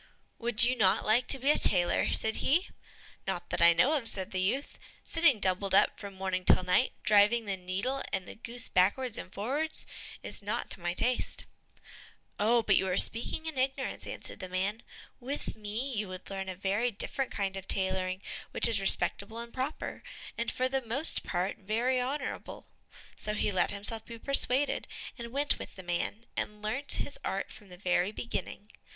"Would you not like to be a tailor?" said he. "Not that I know of," said the youth; "sitting doubled up from morning till night, driving the needle and the goose backwards and forwards, is not to my taste." "Oh, but you are speaking in ignorance," answered the man; "with me you would learn a very different kind of tailoring, which is respectable and proper, and for the most part very honorable." So he let himself be persuaded, and went with the man, and learnt his art from the very beginning.